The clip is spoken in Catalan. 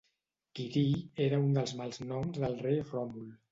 Quirí era un dels mals noms del rei Ròmul.